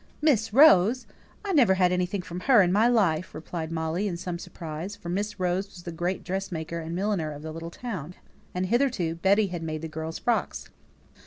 "Miss Rose! I never had anything from her in my life," replied Molly, in some surprise; for Miss Rose was the great dressmaker and milliner of the little town, and hitherto Betty had made the girl's frocks.